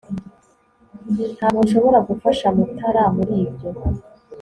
ntabwo nshobora gufasha mutara muri ibyo